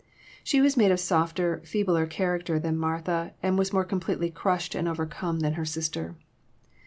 She was made of softer, feebler character than Martha, and was more completely crushed and overcome than her sister.